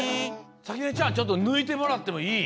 さきねちゃんちょっとぬいてもらってもいい？